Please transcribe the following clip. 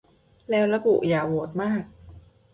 แล้วระบุ 'อย่าโหวตมาก